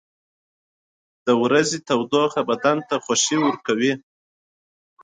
• د ورځې تودوخه بدن ته خوښي ورکوي.